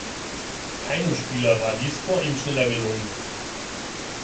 Keinem Spieler war dies vor ihm schneller gelungen.